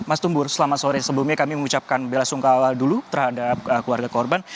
mas tumbur selamat sore sebelumnya kami mengucapkan bela sungkawa dulu terhadap keluarga korban